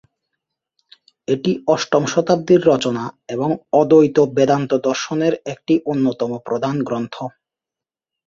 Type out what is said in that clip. এটি অষ্টম শতাব্দীর রচনা এবং অদ্বৈত বেদান্ত দর্শনের একটি অন্যতম প্রধান গ্রন্থ।